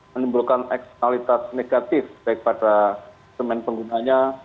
menimbulkan eksternalitas negatif baik pada semen penggunanya